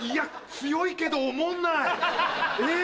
強いけどおもんなっ。